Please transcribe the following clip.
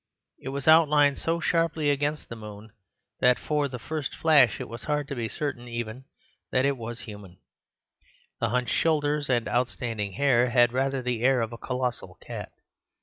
It was outlined so sharply against the moon that for the first flash it was hard to be certain even that it was human: the hunched shoulders and outstanding hair had rather the air of a colossal cat.